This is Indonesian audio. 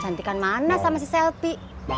cantikan mana sama si selfie